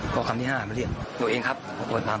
พ่อคำที่๕แล้วเรียกหนูเองครับจะเปิดตาม